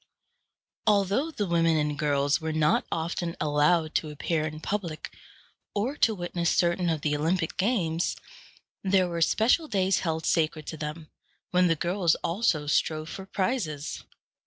Although the women and girls were not often allowed to appear in public, or to witness certain of the Olympic games, there were special days held sacred to them, when the girls also strove for prizes.